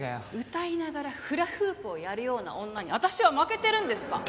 歌いながらフラフープをやるような女に私は負けてるんですか？